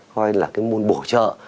coi là cái môn bổ trợ